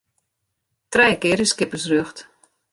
Trije kear is skippersrjocht.